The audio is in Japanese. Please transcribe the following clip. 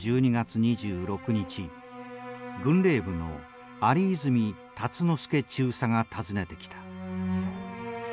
軍令部の有泉龍之助中佐が訪ねてきた。